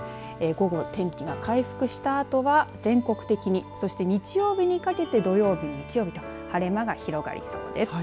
午後、天気が回復したあとは全国的に、そして日曜日にかけて土曜日、日曜日と晴れ間が広がりそうです。